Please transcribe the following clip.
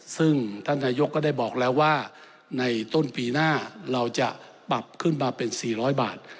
ซึ่งท่านนายกก็ได้บอกแล้วว่าในต้นปีหน้าเราจะปรับขึ้นมาเป็น๔๐๐บาท